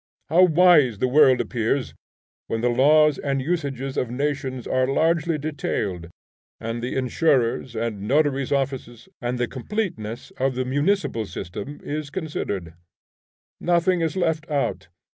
How wise the world appears, when the laws and usages of nations are largely detailed, and the completeness of the municipal system is considered! Nothing is left out.